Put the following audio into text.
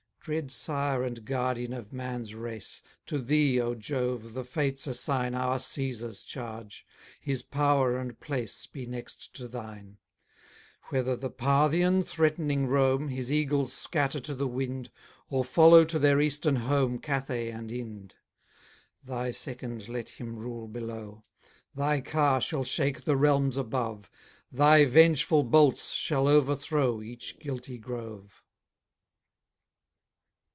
Dread Sire and Guardian of man's race, To Thee, O Jove, the Fates assign Our Caesar's charge; his power and place Be next to Thine. Whether the Parthian, threatening Rome, His eagles scatter to the wind, Or follow to their eastern home Cathay and Ind, Thy second let him rule below: Thy car shall shake the realms above; Thy vengeful bolts shall overthrow Each guilty grove.